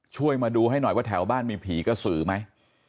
ช่วยมาดูให้หน่อยว่าแถวบ้านมีผีกระสือไหม